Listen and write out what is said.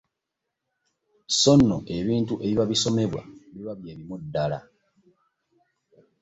So nno ebintu ebiba bisomebwa biba bye bimu ddala.